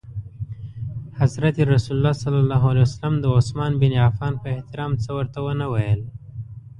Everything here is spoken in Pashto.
حضرت رسول ص د عثمان بن عفان په احترام څه ورته ونه ویل.